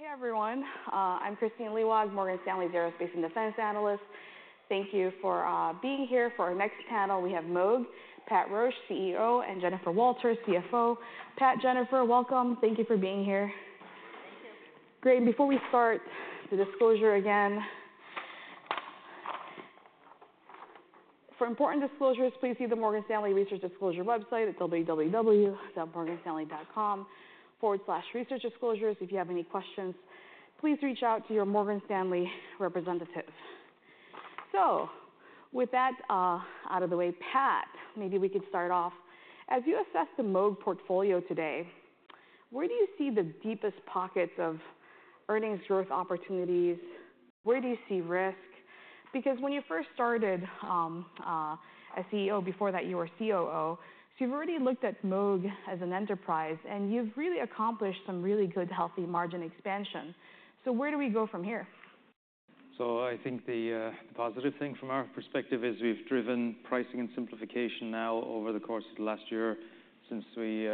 Hey, everyone. I'm Kristine Liwag, Morgan Stanley Aerospace and Defense Analyst. Thank you for being here. For our next panel, we have Moog, Pat Roche, CEO, and Jennifer Walter, CFO. Pat, Jennifer, welcome. Thank you for being here. Great! Before we start, the disclosure again. For important disclosures, please see the Morgan Stanley Research Disclosure website at www.morganstanley.com/researchdisclosures. If you have any questions, please reach out to your Morgan Stanley representative, so with that, out of the way, Pat, maybe we could start off. As you assess the Moog portfolio today, where do you see the deepest pockets of earnings growth opportunities? Where do you see risk? Because when you first started, as CEO, before that you were COO, so you've already looked at Moog as an enterprise, and you've really accomplished some really good, healthy margin expansion, so where do we go from here? So I think the positive thing from our perspective is we've driven pricing and simplification now over the course of the last year since we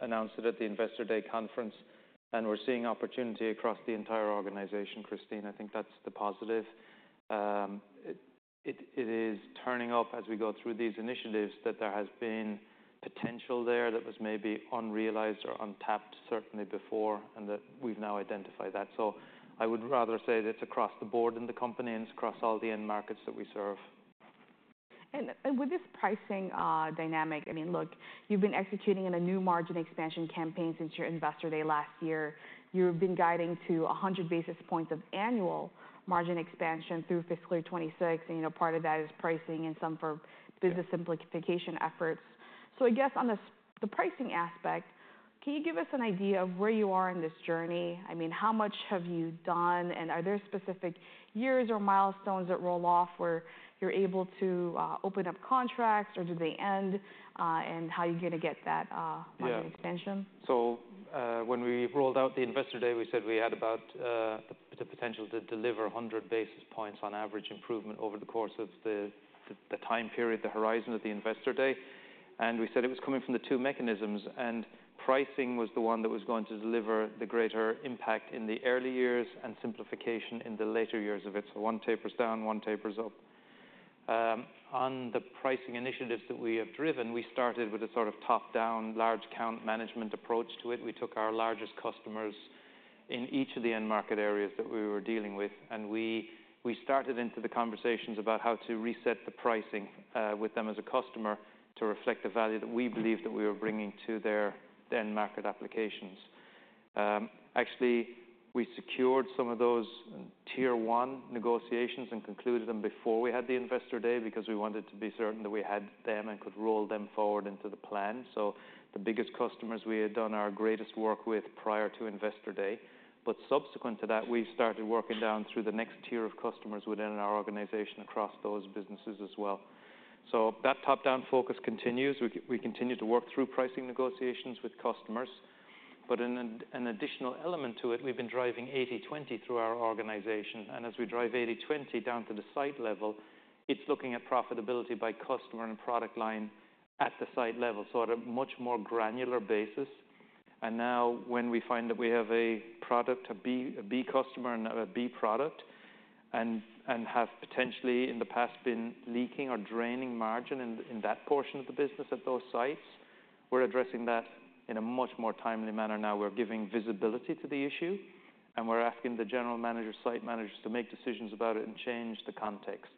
announced it at the Investor Day conference, and we're seeing opportunity across the entire organization, Kristine. I think that's the positive. It is turning up as we go through these initiatives that there has been potential there that was maybe unrealized or untapped, certainly before, and that we've now identified that. So I would rather say that it's across the board in the company and it's across all the end markets that we serve. With this pricing dynamic, I mean, look, you've been executing in a new margin expansion campaign since your Investor Day last year. You've been guiding to a hundred basis points of annual margin expansion through fiscal year 2026, and you know, part of that is pricing and some for business simplification efforts. So I guess on the pricing aspect, can you give us an idea of where you are in this journey? I mean, how much have you done, and are there specific years or milestones that roll off, where you're able to open up contracts, or do they end, and how are you gonna get that, Yeah -margin expansion? So, when we rolled out the Investor Day, we said we had about the potential to deliver 100 basis points on average improvement over the course of the time period, the horizon of the Investor Day. And we said it was coming from the two mechanisms, and pricing was the one that was going to deliver the greater impact in the early years and simplification in the later years of it. So one tapers down, one tapers up. On the pricing initiatives that we have driven, we started with a sort of top-down, large account management approach to it. We took our largest customers in each of the end market areas that we were dealing with, and we started into the conversations about how to reset the pricing with them as a customer to reflect the value that we believed that we were bringing to their end market applications. Actually, we secured some of those tier one negotiations and concluded them before we had the Investor Day because we wanted to be certain that we had them and could roll them forward into the plan. So, the biggest customers we had done our greatest work with prior to Investor Day. But, subsequent to that, we started working down through the next tier of customers within our organization across those businesses as well. So, that top-down focus continues. We continue to work through pricing negotiations with customers, but an additional element to it, we've been driving 80/20 through our organization, and as we drive 80/20 down to the site level, it's looking at profitability by customer and product line at the site level, so at a much more granular basis. And now, when we find that we have a product, a B, a B customer and a B product, and have potentially in the past been leaking or draining margin in that portion of the business at those sites, we're addressing that in a much more timely manner now. We're giving visibility to the issue, and we're asking the general manager, site managers to make decisions about it and change the context.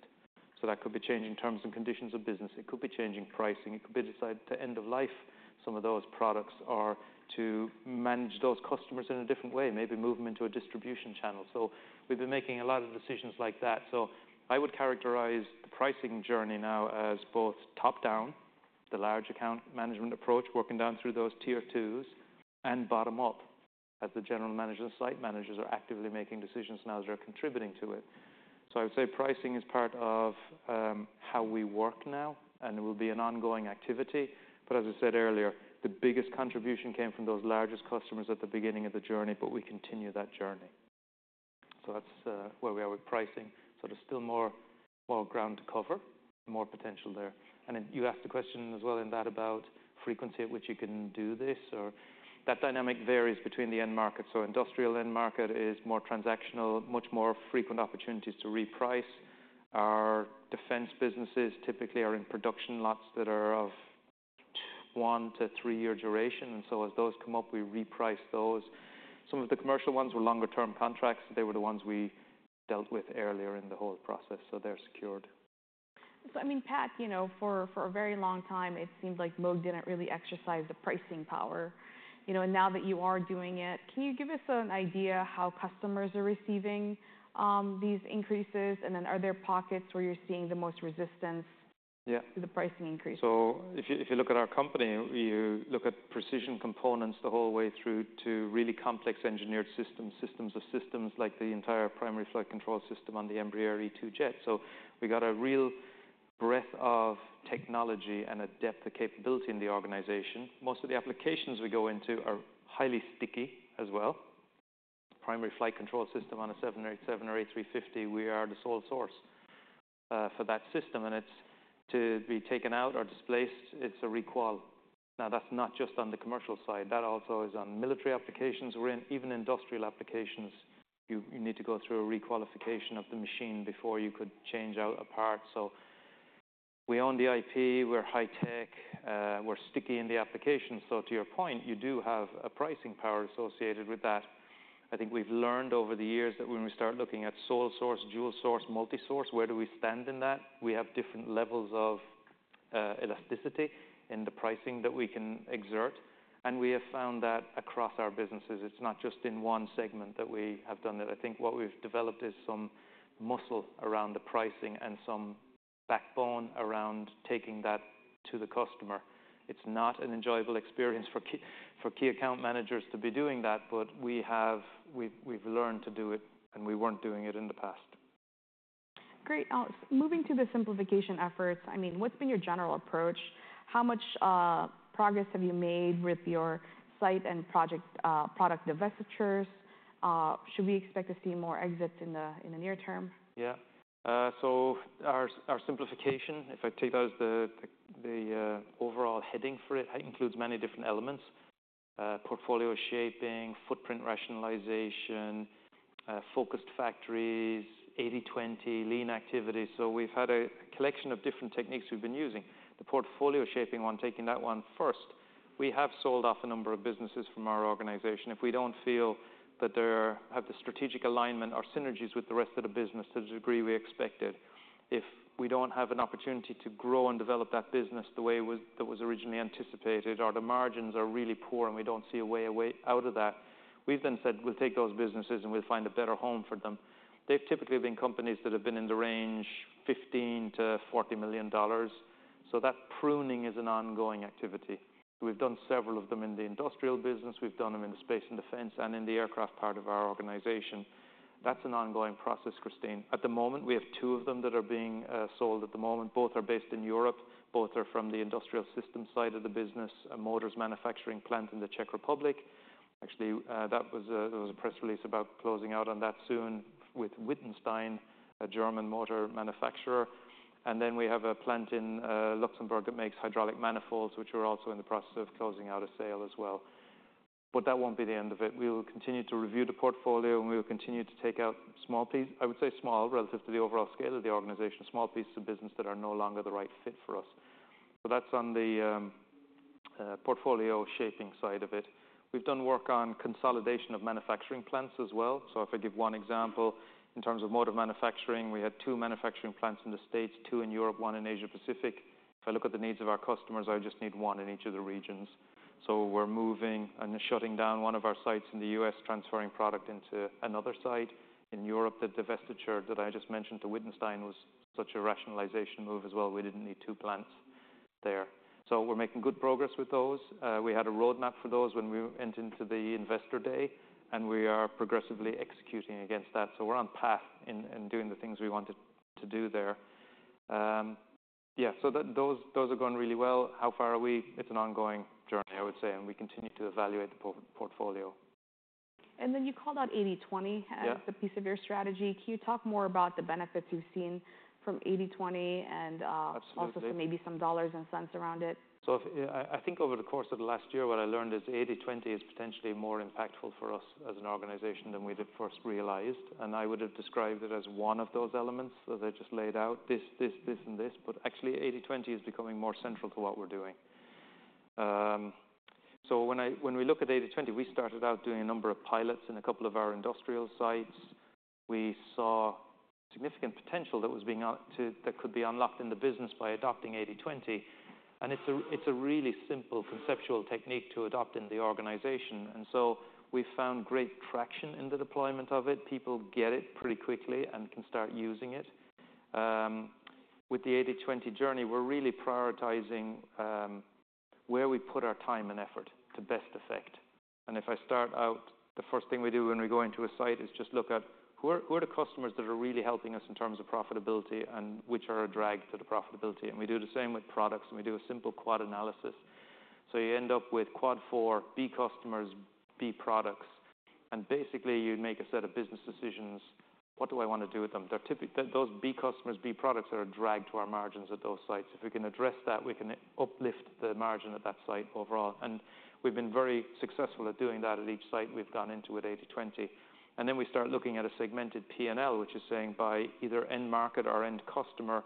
So that could be changing terms and conditions of business. It could be changing pricing. It could be decide to end of life some of those products or to manage those customers in a different way, maybe move them into a distribution channel. So we've been making a lot of decisions like that. So I would characterize the pricing journey now as both top-down, the large account management approach, working down through those tier twos, and bottom up, as the general managers, site managers are actively making decisions now as they're contributing to it. So I would say pricing is part of how we work now, and it will be an ongoing activity. But as I said earlier, the biggest contribution came from those largest customers at the beginning of the journey, but we continue that journey. So that's where we are with pricing. So there's still more ground to cover, more potential there. And then you asked a question as well in that about frequency at which you can do this, or... That dynamic varies between the end markets. So industrial end market is more transactional, much more frequent opportunities to reprice. Our defense businesses typically are in production lots that are of one- to three-year duration, and so as those come up, we reprice those. Some of the commercial ones were longer-term contracts. They were the ones we dealt with earlier in the whole process, so they're secured. So I mean, Pat, you know, for a very long time, it seemed like Moog didn't really exercise the pricing power, you know? And now that you are doing it, can you give us an idea how customers are receiving these increases? And then are there pockets where you're seeing the most resistance- Yeah -to the pricing increases? So if you look at our company, you look at precision components the whole way through to really complex engineered systems, systems of systems like the entire primary flight control system on the Embraer E2 Jet. We got a real breadth of technology and a depth of capability in the organization. Most of the applications we go into are highly sticky as well. Primary flight control system on a 787 or A350, we are the sole source for that system, and it's to be taken out or displaced, it's a requal. Now, that's not just on the commercial side. That also is on military applications. We're in even industrial applications. You need to go through a requalification of the machine before you could change out a part. So we own the IP, we're high tech, we're sticky in the application. So to your point, you do have a pricing power associated with that. I think we've learned over the years that when we start looking at sole source, dual source, multi-source, where do we stand in that? We have different levels of elasticity in the pricing that we can exert, and we have found that across our businesses. It's not just in one segment that we have done it. I think what we've developed is some muscle around the pricing and some backbone around taking that to the customer. It's not an enjoyable experience for key account managers to be doing that, but we've learned to do it, and we weren't doing it in the past. Great. Moving to the simplification efforts, I mean, what's been your general approach? How much progress have you made with your site and project product divestitures? Should we expect to see more exits in the near term? Yeah. So our simplification, if I take that as the overall heading for it, includes many different elements: portfolio shaping, footprint rationalization, focused factories, 80/20, lean activities. So we've had a collection of different techniques we've been using. The portfolio shaping one, taking that one first, we have sold off a number of businesses from our organization. If we don't feel that they have the strategic alignment or synergies with the rest of the business to the degree we expected, if we don't have an opportunity to grow and develop that business the way it was, that was originally anticipated, or the margins are really poor and we don't see a way, a way out of that, we've then said, "We'll take those businesses, and we'll find a better home for them." They've typically been companies that have been in the range $15 million-$40 million. So that pruning is an ongoing activity. We've done several of them in the Industrial business. We've done them in the Space and Defense and in the aircraft part of our organization. That's an ongoing process, Kristine. At the moment, we have two of them that are being sold at the moment. Both are based in Europe. Both are from the industrial systems side of the business, a motors manufacturing plant in the Czech Republic. Actually, there was a press release about closing out on that soon with Wittenstein, a German motor manufacturer. And then we have a plant in Luxembourg that makes hydraulic manifolds, which we're also in the process of closing out a sale as well. But that won't be the end of it. We will continue to review the portfolio, and we will continue to take out small piece - I would say small, relative to the overall scale of the organization, small pieces of business that are no longer the right fit for us. So that's on the portfolio shaping side of it. We've done work on consolidation of manufacturing plants as well. So if I give one example, in terms of motor manufacturing, we had two manufacturing plants in the States, two in Europe, one in Asia Pacific. If I look at the needs of our customers, I just need one in each of the regions. So we're moving and shutting down one of our sites in the U.S., transferring product into another site. In Europe, the divestiture that I just mentioned to Wittenstein was such a rationalization move as well. We didn't need two plants there. So we're making good progress with those. We had a roadmap for those when we went into the Investor Day, and we are progressively executing against that. So we're on path in, in doing the things we wanted to do there. Yeah, so those, those are going really well. How far are we? It's an ongoing journey, I would say, and we continue to evaluate the portfolio. And then you called out 80/20- Yeah - as a piece of your strategy. Can you talk more about the benefits you've seen from 80/20 and? Absolutely... also maybe some dollars and cents around it? So if I think over the course of the last year, what I learned is 80/20 is potentially more impactful for us as an organization than we'd at first realized, and I would have described it as one of those elements that I just laid out, this, this, this, and this, but actually, 80/20 is becoming more central to what we're doing. So when we look at 80/20, we started out doing a number of pilots in a couple of our industrial sites. We saw significant potential that could be unlocked in the business by adopting 80/20, and it's a really simple conceptual technique to adopt in the organization, and so we found great traction in the deployment of it. People get it pretty quickly and can start using it. With the 80/20 journey, we're really prioritizing where we put our time and effort to best effect. And if I start out, the first thing we do when we go into a site is just look at who are the customers that are really helping us in terms of profitability and which are a drag to the profitability? And we do the same with products, and we do a simple quad analysis. So you end up with quad four, B customers, B products, and basically, you'd make a set of business decisions. What do I want to do with them? They're those B customers, B products are a drag to our margins at those sites. If we can address that, we can uplift the margin at that site overall, and we've been very successful at doing that at each site we've gone into with 80/20. And then we start looking at a segmented P&L, which is saying by either end market or end customer,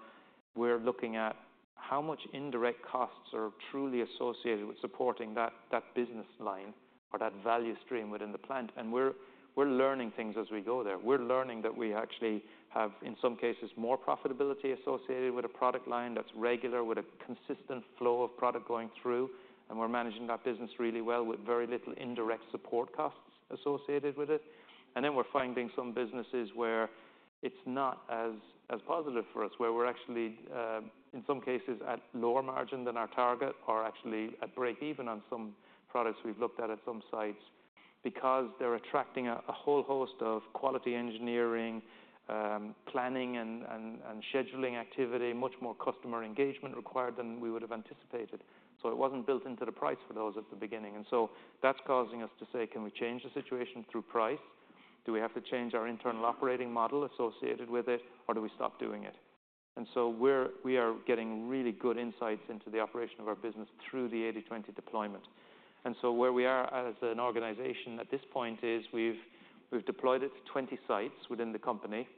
we're looking at how much indirect costs are truly associated with supporting that business line or that value stream within the plant, and we're learning things as we go there. We're learning that we actually have, in some cases, more profitability associated with a product line that's regular, with a consistent flow of product going through, and we're managing that business really well with very little indirect support costs associated with it. And then we're finding some businesses where it's not as positive for us, where we're actually, in some cases, at lower margin than our target or actually at break even on some products we've looked at, at some sites. Because they're attracting a whole host of quality engineering, planning and scheduling activity, much more customer engagement required than we would have anticipated. So it wasn't built into the price for those at the beginning, and so that's causing us to say: Can we change the situation through price? Do we have to change our internal operating model associated with it, or do we stop doing it? And so we are getting really good insights into the operation of our business through the 80/20 deployment. And so where we are as an organization at this point is, we've deployed it to 20 sites within the company.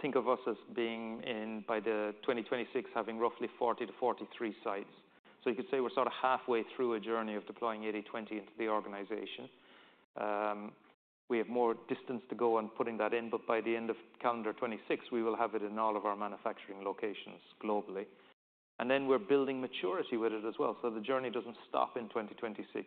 Think of us as being, by 2026, having roughly 40-43 sites. So you could say we're sort of halfway through a journey of deploying 80/20 into the organization. We have more distance to go on putting that in, but by the end of calendar 2026, we will have it in all of our manufacturing locations globally. And then we're building maturity with it as well. So the journey doesn't stop in 2026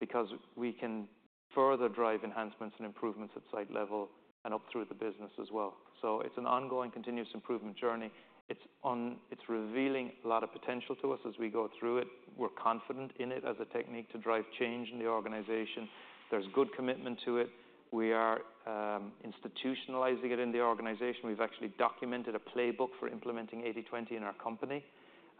because we can further drive enhancements and improvements at site level and up through the business as well. So it's an ongoing, continuous improvement journey. It's revealing a lot of potential to us as we go through it. We're confident in it as a technique to drive change in the organization. There's good commitment to it. We are institutionalizing it in the organization. We've actually documented a playbook for implementing 80/20 in our company,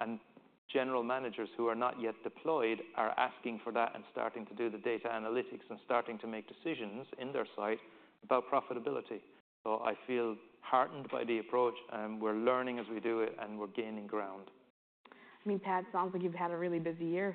and general managers who are not yet deployed are asking for that and starting to do the data analytics and starting to make decisions in their site about profitability. So I feel heartened by the approach, and we're learning as we do it, and we're gaining ground. I mean, Pat, sounds like you've had a really busy year.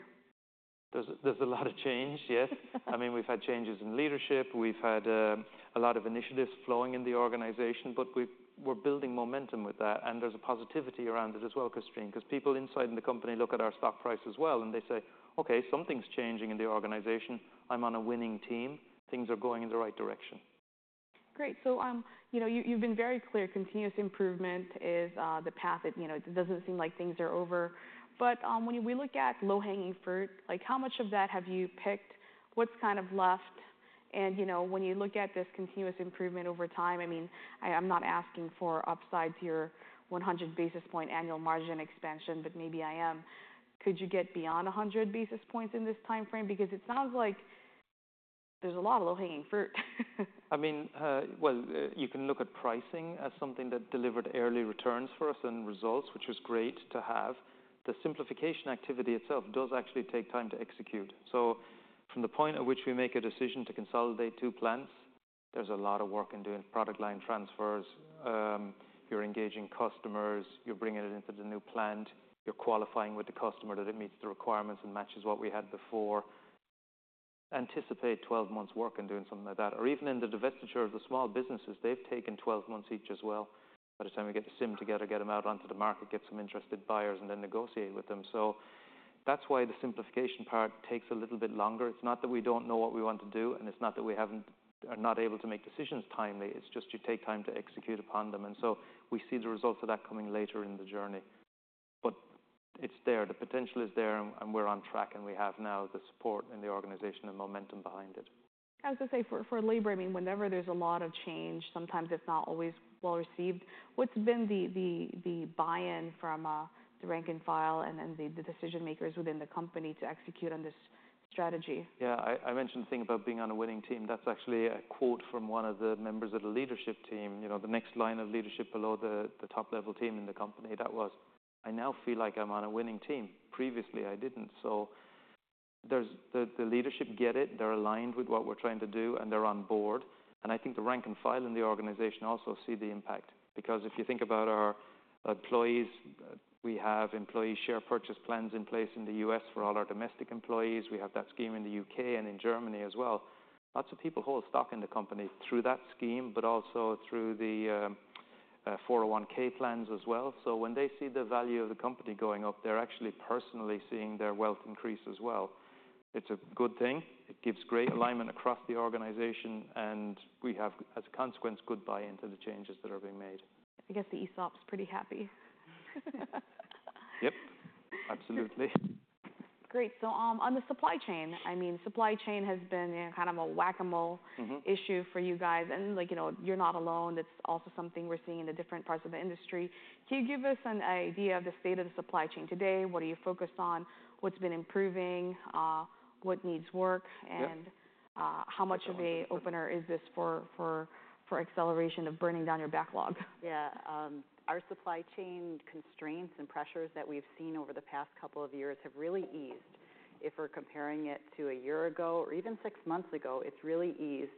There's a lot of change, yes. I mean, we've had changes in leadership. We've had a lot of initiatives flowing in the organization, but we're building momentum with that, and there's a positivity around it as well, Kristine, because people inside the company look at our stock price as well, and they say: "Okay, something's changing in the organization. I'm on a winning team. Things are going in the right direction. Great. So, you know, you've been very clear. Continuous improvement is the path. It, you know, it doesn't seem like things are over. But, when we look at low-hanging fruit, like how much of that have you picked? What's kind of left? And, you know, when you look at this continuous improvement over time, I mean, I'm not asking for upsides to your 100 basis points annual margin expansion, but maybe I am. Could you get beyond 100 basis points in this timeframe? Because it sounds like there's a lot of low-hanging fruit. I mean, well, you can look at pricing as something that delivered early returns for us and results, which was great to have. The simplification activity itself does actually take time to execute. So from the point at which we make a decision to consolidate two plants, there's a lot of work in doing product line transfers. You're engaging customers, you're bringing it into the new plant, you're qualifying with the customer that it meets the requirements and matches what we had before. Anticipate 12 months work in doing something like that, or even in the divestiture of the small businesses, they've taken 12 months each as well. By the time we get the team together, get them out onto the market, get some interested buyers, and then negotiate with them. So that's why the simplification part takes a little bit longer. It's not that we don't know what we want to do, and it's not that we are not able to make decisions timely. It's just you take time to execute upon them, and so we see the results of that coming later in the journey. But it's there, the potential is there, and we're on track, and we have now the support in the organization and momentum behind it. I was going to say, for labor, I mean, whenever there's a lot of change, sometimes it's not always well-received. What's been the buy-in from the rank and file and then the decision-makers within the company to execute on this strategy? Yeah, I mentioned the thing about being on a winning team. That's actually a quote from one of the members of the leadership team. You know, the next line of leadership below the top-level team in the company. That was: "I now feel like I'm on a winning team. Previously, I didn't." So the leadership get it. They're aligned with what we're trying to do, and they're on board. And I think the rank and file in the organization also see the impact. Because if you think about our employees, we have employee share purchase plans in place in the U.S. for all our domestic employees. We have that scheme in the U.K. and in Germany as well. Lots of people hold stock in the company through that scheme, but also through the 401(k) plans as well. So when they see the value of the company going up, they're actually personally seeing their wealth increase as well. It's a good thing. It gives great alignment across the organization, and we have, as a consequence, good buy-in to the changes that are being made. I guess the ESOP's pretty happy. Yep, absolutely. Great. So, on the supply chain, I mean, supply chain has been, you know, kind of a whack-a-mole-issue for you guys, and, like, you know, you're not alone. It's also something we're seeing in the different parts of the industry. Can you give us an idea of the state of the supply chain today? What are you focused on? What's been improving? What needs work? Yep... and, how much of an opener is this for acceleration of burning down your backlog? Yeah. Our supply chain constraints and pressures that we've seen over the past couple of years have really eased. If we're comparing it to a year ago or even six months ago, it's really eased.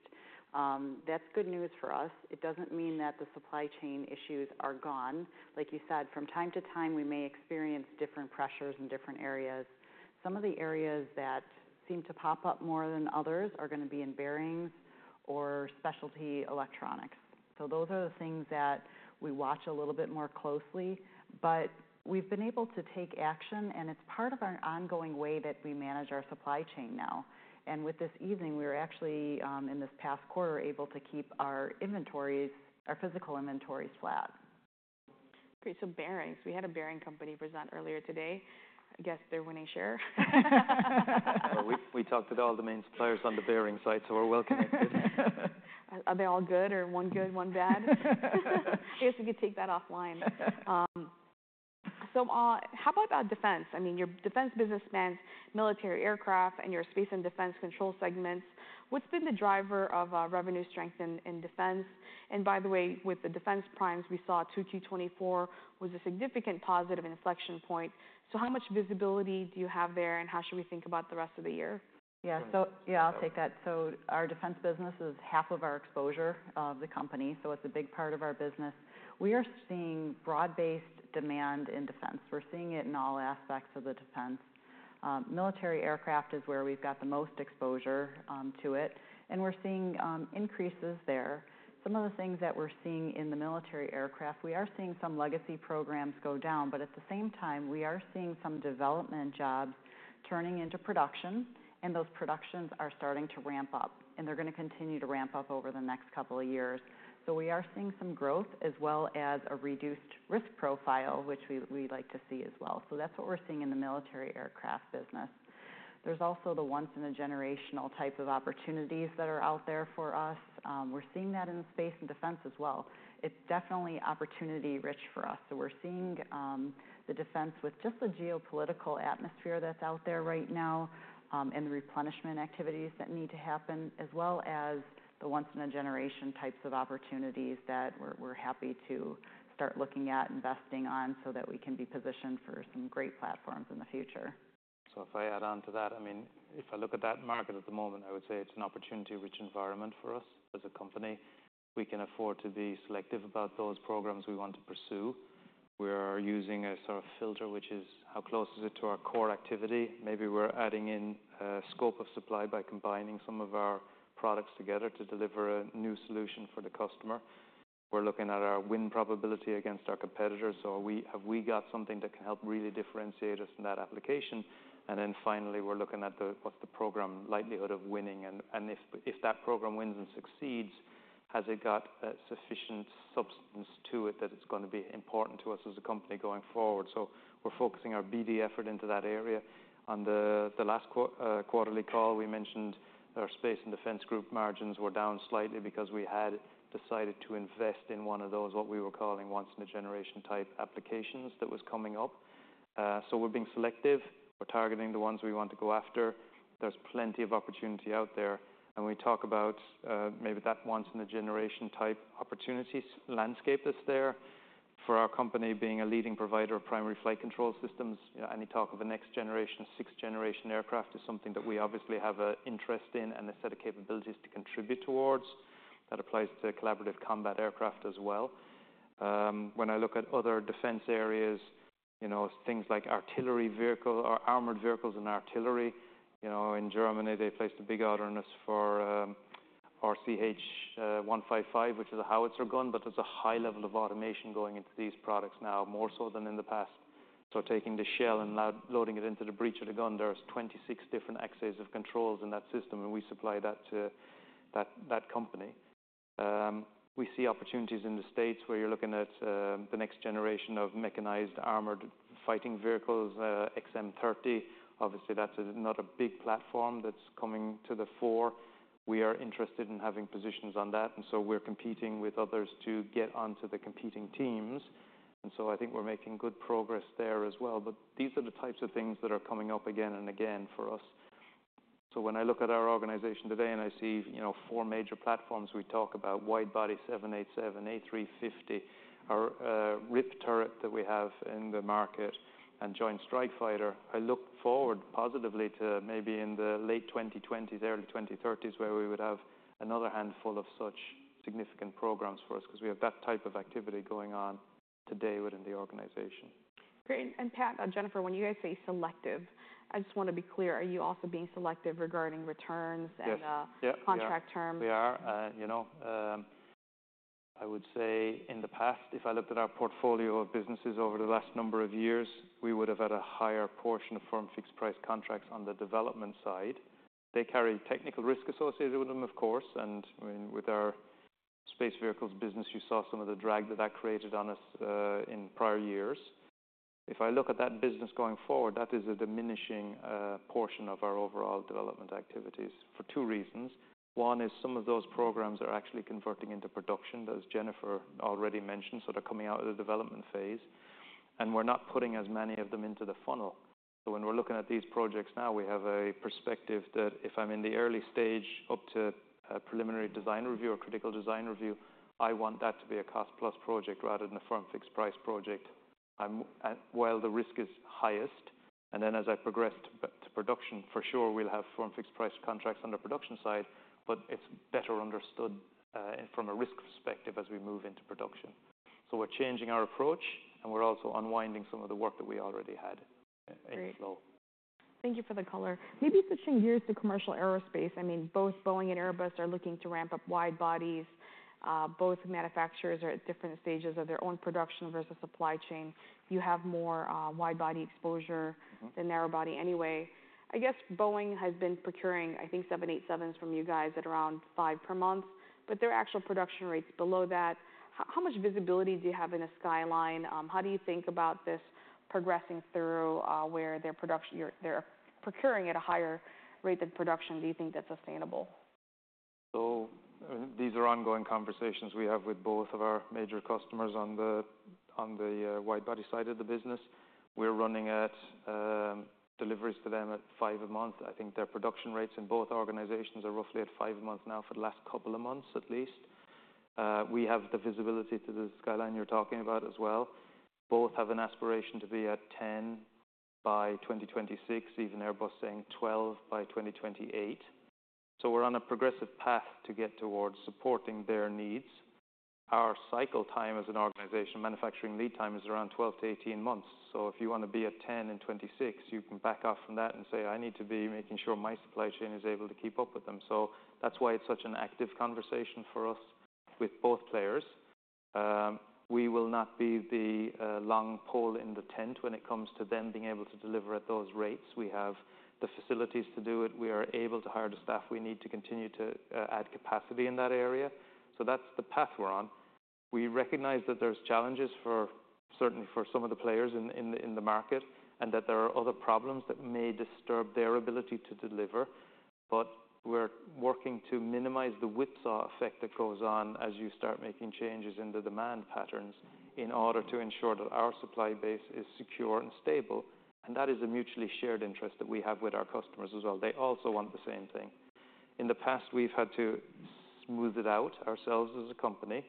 That's good news for us. It doesn't mean that the supply chain issues are gone. Like you said, from time to time, we may experience different pressures in different areas. Some of the areas that seem to pop up more than others are gonna be in bearings or specialty electronics. So those are the things that we watch a little bit more closely, but we've been able to take action, and it's part of our ongoing way that we manage our supply chain now, and with this easing, we're actually, in this past quarter, able to keep our inventories, our physical inventories flat. Great. So, bearings. We had a bearing company present earlier today. I guess they're winning share. We talked to all the main suppliers on the bearing site, so we're well connected. Are they all good or one good, one bad? I guess we could take that offline. So, how about defense? I mean, your defense business spans Military Aircraft and your Space and Defense control segments. What's been the driver of revenue strength in defense? And by the way, with the defense primes, we saw 2Q 2024 was a significant positive inflection point. So how much visibility do you have there, and how should we think about the rest of the year? Yeah. So, yeah, I'll take that. So our defense business is half of our exposure of the company, so it's a big part of our business. We are seeing broad-based demand in defense. We're seeing it in all aspects of the defense. Military Aircraft is where we've got the most exposure to it, and we're seeing increases there. Some of the things that we're seeing in the Military Aircraft, we are seeing some legacy programs go down, but at the same time, we are seeing some development jobs turning into production, and those productions are starting to ramp up, and they're going to continue to ramp up over the next couple of years. So we are seeing some growth as well as a reduced risk profile, which we like to see as well. So that's what we're seeing in the Military Aircraft business. There's also the once in a generational type of opportunities that are out there for us. We're seeing that in the Space and Defense as well. It's definitely opportunity-rich for us. So we're seeing the defense with just the geopolitical atmosphere that's out there right now, and the replenishment activities that need to happen, as well as the once in a generation types of opportunities that we're happy to start looking at investing on so that we can be positioned for some great platforms in the future. So if I add on to that, I mean, if I look at that market at the moment, I would say it's an opportunity-rich environment for us as a company. We can afford to be selective about those programs we want to pursue. We are using a sort of filter, which is: How close is it to our core activity? Maybe we're adding in a scope of supply by combining some of our products together to deliver a new solution for the customer. We're looking at our win probability against our competitors, so have we got something that can help really differentiate us in that application? And then finally, we're looking at the, what's the program likelihood of winning, and if that program wins and succeeds, has it got sufficient substance to it that it's going to be important to us as a company going forward? So we're focusing our BD effort into that area. On the last quarterly call, we mentioned our Space and Defense group margins were down slightly because we had decided to invest in one of those, what we were calling once in a generation type applications that was coming up. So we're being selective. We're targeting the ones we want to go after. There's plenty of opportunity out there, and we talk about, maybe that once in a generation type opportunities landscape that's there. For our company, being a leading provider of primary flight control systems, any talk of a next generation, sixth generation aircraft is something that we obviously have a interest in and a set of capabilities to contribute towards. That applies to collaborative combat aircraft as well. When I look at other defense areas, you know, things like artillery vehicle or armored vehicles and artillery, you know, in Germany, they placed a big order on us for our RCH 155, which is a howitzer gun, but there's a high level of automation going into these products now, more so than in the past. So taking the shell and loading it into the breech of the gun, there's 20 to 26 different axes of controls in that system, and we supply that to that company. We see opportunities in the States where you're looking at the next generation of mechanized armored fighting vehicles, XM30. Obviously, that's another big platform that's coming to the fore. We are interested in having positions on that, and so we're competing with others to get onto the competing teams. And so I think we're making good progress there as well. But these are the types of things that are coming up again and again for us. So when I look at our organization today and I see, you know, four major platforms, we talk about wide-body 787, A350, our RIwP turret that we have in the market and Joint Strike Fighter. I look forward positively to maybe in the late 2020s, early 2030s, where we would have another handful of such significant programs for us, 'cause we have that type of activity going on today within the organization. Great. And Pat, Jennifer, when you guys say selective, I just want to be clear, are you also being selective regarding returns? Yes. and, Yeah, yeah. contract terms? We are. You know, I would say in the past, if I looked at our portfolio of businesses over the last number of years, we would have had a higher portion of firm fixed price contracts on the development side. They carry technical risk associated with them, of course, and I mean, with our space vehicles business, you saw some of the drag that that created on us in prior years. If I look at that business going forward, that is a diminishing portion of our overall development activities for two reasons. One is some of those programs are actually converting into production, as Jennifer already mentioned, so they're coming out of the development phase, and we're not putting as many of them into the funnel. So when we're looking at these projects now, we have a perspective that if I'm in the early stage up to a preliminary design review or critical design review, I want that to be a cost plus project rather than a firm fixed price project, while the risk is highest, and then as I progress to production, for sure we'll have firm fixed price contracts on the production side, but it's better understood from a risk perspective as we move into production, so we're changing our approach, and we're also unwinding some of the work that we already had in flow. Great. Thank you for the color. Maybe switching gears to commercial aerospace, I mean, both Boeing and Airbus are looking to ramp up wide bodies. Both manufacturers are at different stages of their own production versus supply chain. You have more wide-body exposure than narrow-body anyway. I guess Boeing has been procuring, I think, 787 from you guys at around five per month, but their actual production rates below that. How much visibility do you have in the skyline? How do you think about this progressing through, where their production, they're procuring at a higher rate than production? Do you think that's sustainable? So, these are ongoing conversations we have with both of our major customers on the wide-body side of the business. We're running at deliveries to them at five a month. I think their production rates in both organizations are roughly at five a month now for the last couple of months, at least. We have the visibility to the skyline you're talking about as well. Both have an aspiration to be at 10 by 2026, even Airbus saying 12 by 2028. So we're on a progressive path to get towards supporting their needs. Our cycle time as an organization, manufacturing lead time, is around 12-18 months. So if you want to be at 10 and 26, you can back off from that and say, "I need to be making sure my supply chain is able to keep up with them." So that's why it's such an active conversation for us with both players. We will not be the long pole in the tent when it comes to them being able to deliver at those rates. We have the facilities to do it. We are able to hire the staff we need to continue to add capacity in that area. So that's the path we're on. We recognize that there's challenges for certainly for some of the players in the market, and that there are other problems that may disturb their ability to deliver, but we're working to minimize the whipsaw effect that goes on as you start making changes in the demand patterns, in order to ensure that our supply base is secure and stable, and that is a mutually shared interest that we have with our customers as well. They also want the same thing. In the past, we've had to smooth it out ourselves as a company,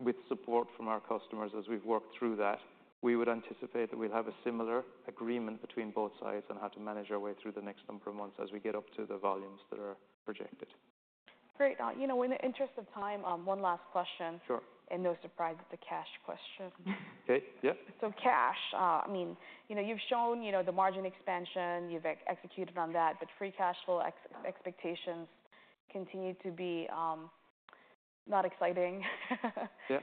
with support from our customers as we've worked through that. We would anticipate that we'll have a similar agreement between both sides on how to manage our way through the next number of months as we get up to the volumes that are projected. Great. You know, in the interest of time, one last question. Sure. No surprise, it's a cash question. Okay. Yep. So cash, I mean, you know, you've shown, you know, the margin expansion. You've executed on that, but free cash flow expectations continue to be not exciting. Yeah.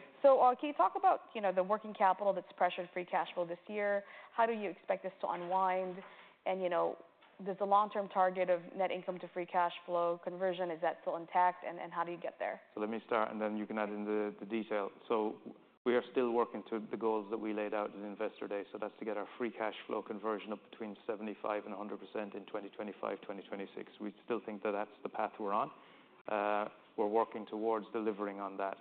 Can you talk about, you know, the working capital that's pressured free cash flow this year? How do you expect this to unwind? And, you know, does the long-term target of net income to free cash flow conversion, is that still intact, and how do you get there? So let me start, and then you can add in the detail. We are still working to the goals that we laid out in Investor Day. That's to get our free cash flow conversion up between 75% and 100% in 2025, 2026. We still think that that's the path we're on. We're working towards delivering on that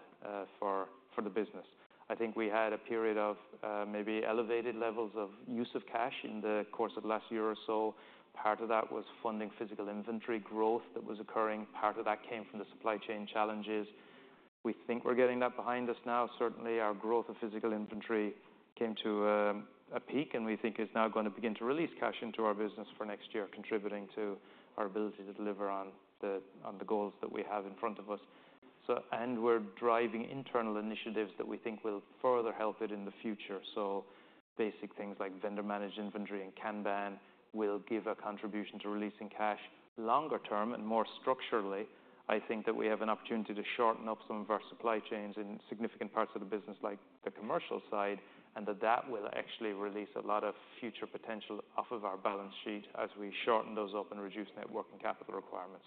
for the business. I think we had a period of maybe elevated levels of use of cash in the course of last year or so. Part of that was funding physical inventory growth that was occurring. Part of that came from the supply chain challenges. We think we're getting that behind us now. Certainly, our growth of physical inventory came to a peak, and we think is now going to begin to release cash into our business for next year, contributing to our ability to deliver on the goals that we have in front of us. So. And we're driving internal initiatives that we think will further help it in the future. So basic things like vendor-managed inventory and Kanban will give a contribution to releasing cash. Longer term and more structurally, I think that we have an opportunity to shorten up some of our supply chains in significant parts of the business, like the commercial side, and that that will actually release a lot of future potential off of our balance sheet as we shorten those up and reduce net working capital requirements.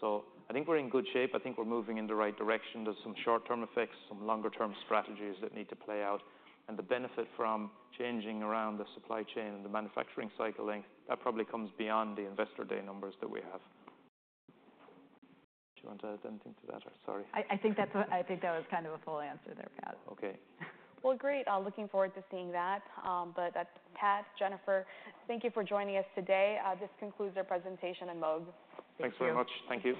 So I think we're in good shape. I think we're moving in the right direction. There's some short-term effects, some longer-term strategies that need to play out, and the benefit from changing around the supply chain and the manufacturing cycle length, that probably comes beyond the Investor Day numbers that we have. Do you want to add anything to that? Sorry. I think that was kind of a full answer there, Pat. Okay. Great. Looking forward to seeing that. Pat, Jennifer, thank you for joining us today. This concludes our presentation on Moog. Thanks very much. Thank you.